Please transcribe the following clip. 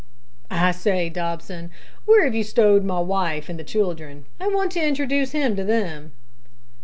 "I say, Dobson, where have you stowed my wife and the children? I want to introduce him to them."